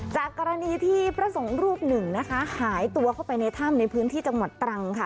จากกรณีที่พระสงฆ์รูปหนึ่งนะคะหายตัวเข้าไปในถ้ำในพื้นที่จังหวัดตรังค่ะ